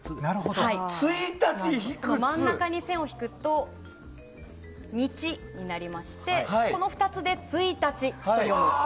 真ん中に線を引くと「日」になりましてこの２つでツイタチと読むと。